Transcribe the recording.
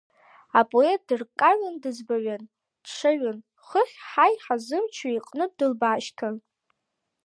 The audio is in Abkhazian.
Апоет дырккаҩын, дыӡбаҩын, дшаҩын, хыхь ҳаиҳа зымчу иҟнытә дылбаашьҭын.